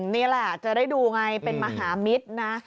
นี่แหละจะได้ดูไงเป็นมหามิตรนะ